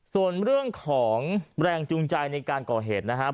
ส่วนเรื่องของแรงจูงใจในการก่อเหตุนะครับ